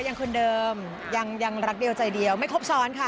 ยังคนเดิมยังรักเดียวใจเดียวไม่ครบซ้อนค่ะ